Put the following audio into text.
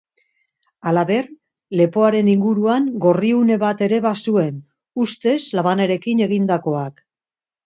Halaber, lepoaren inguruan gorriune bat ere bazuen, ustez labanarekin egindakoak.